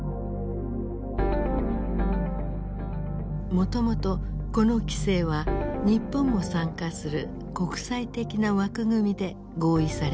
もともとこの規制は日本も参加する国際的な枠組みで合意されたものだ。